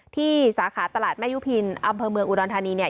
สาขาตลาดแม่ยุพินอำเภอเมืองอุดรธานีเนี่ย